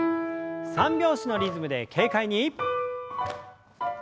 三拍子のリズムで軽快に。